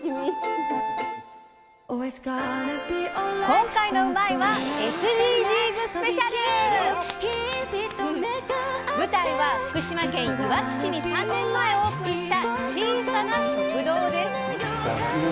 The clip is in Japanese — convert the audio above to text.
今回の「うまいッ！」は舞台は福島県いわき市に３年前オープンした小さな食堂です。